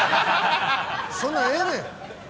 そんなん、ええねん！